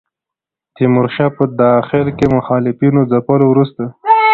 تیمورشاه په داخل کې مخالفینو ځپلو وروسته.